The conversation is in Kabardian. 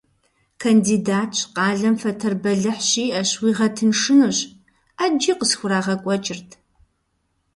Кандидатщ, къалэм фэтэр бэлыхь щиӏэщ, уигъэтыншынущ — ӏэджи къысхурагъэкӏуэкӏырт.